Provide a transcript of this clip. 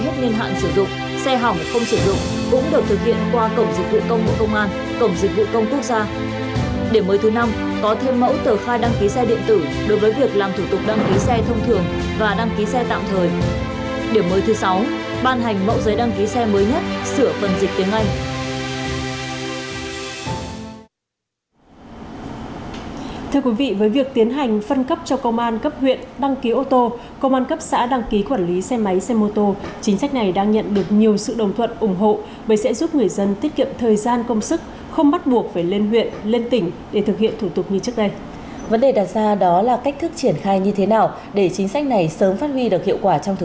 điểm mới thứ ba chủ xe có thể thực hiện thủ tục đăng ký xe tạm thời online tại cổng dịch vụ công bộ công an hoặc cổng dịch vụ công quốc gia và được cấp giấy chứng nhận đăng ký tạm bản điện tử